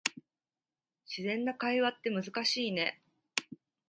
自然な会話って難しいね